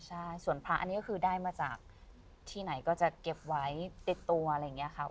ใช่ส่วนพระอันนี้ก็คือได้มาจากที่ไหนก็จะเก็บไว้ติดตัวอะไรอย่างนี้ค่ะ